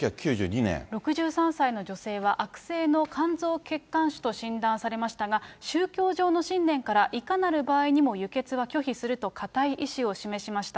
６３歳の女性は、悪性の肝臓血管腫と診断されましたが、宗教上の信念から、いかなる場合にも、輸血は拒否すると固い意志を示しました。